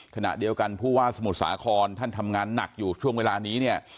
ขณะเดียวกันผู้ว่าสมุทรสาครท่านทำงานหนักอยู่ช่วงเวลานี้เนี่ย